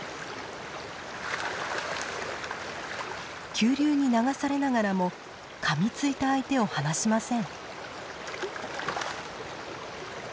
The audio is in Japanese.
急流に流されながらもかみついた相手を放しません。